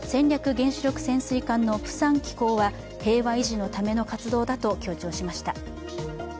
原子力潜水艦のプサン寄港は、平和維持のための活動だと強調しました。